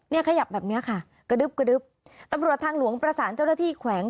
ขยับแบบเนี้ยค่ะกระดึ๊บกระดึ๊บตำรวจทางหลวงประสานเจ้าหน้าที่แขวง